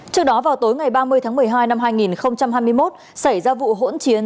trước đó vào tối ngày ba mươi tháng một mươi hai năm hai nghìn hai mươi một xảy ra vụ hỗn chiến